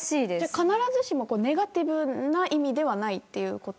必ずしもネガティブな意味ではないということ。